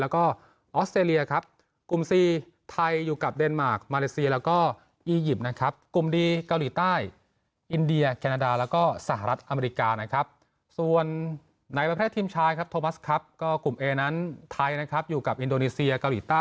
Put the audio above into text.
แล้วก็ออสเตรเลียครับกลุ่มซีไทยอยู่กับเดนมาร์คมาเลเซีย